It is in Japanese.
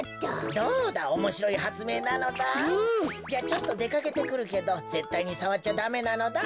ちょっとでかけてくるけどぜったいにさわっちゃダメなのだ。